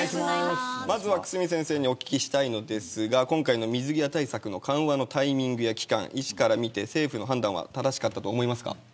まずは久住先生にお聞きしたいのですが今回の水際対策の緩和のタイミングや期間、医師から見て政府の判断は正しかったと思いますか。